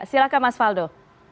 silahkan mas faldo